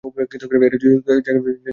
এটা যদি স্বর্গ হয়, জায়গাটা তেমন খারাপ না!